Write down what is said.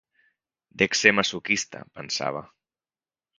Dec ser masoquista, pensava.